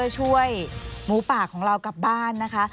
ช่วยหมูป่าของเรากลับบ้านนะคะ